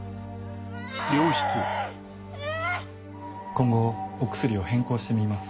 今後お薬を変更してみます。